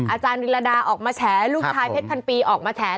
อาจารย์วิรดาออกมาแฉลูกชายเพชรพันปีออกมาแฉ